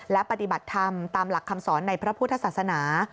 และปฏิบัติธรรมตามหลักคำสอนในพระพุทธศาสนา